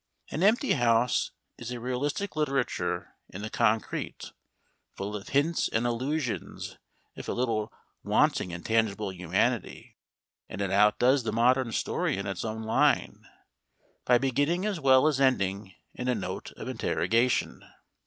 An empty house is realistic literature in the concrete, full of hints and allusions if a little wanting in tangible humanity, and it outdoes the modern story in its own line, by beginning as well as ending in a note of interrogation.